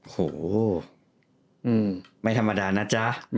โหไม่ธรรมดานะจ๊ะ